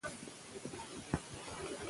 ښتې د افغانستان د طبیعي زیرمو برخه ده.